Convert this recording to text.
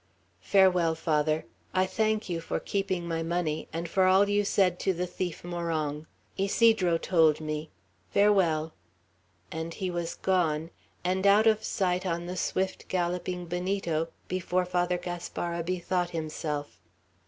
Farewell, Father. I thank you for keeping my money, and for all you said to the thief Morong. Ysidro told me. Farewell." And he was gone, and out of sight on the swift galloping Benito, before Father Gaspara bethought himself.